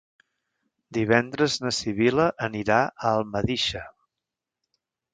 Divendres na Sibil·la anirà a Almedíxer.